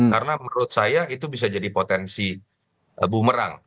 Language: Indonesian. karena menurut saya itu bisa jadi potensi bumerang